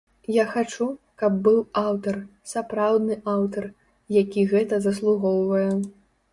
Я хачу, каб быў аўтар, сапраўдны аўтар, які гэтага заслугоўвае.